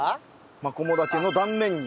マコモダケの断面に。